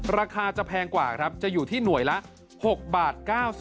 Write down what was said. ราคาจะแพงกว่าครับจะอยู่ที่หน่วยละ๖บาท